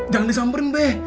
jangan disamperin be